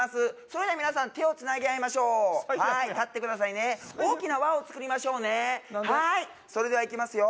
それでは皆さん手をつなぎ合いましょう最悪やはーい立ってくださいね大きな輪を作りましょうねはーいそれではいきますよ